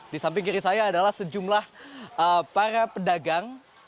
di samping kiri saya adalah sejumlah para pedagang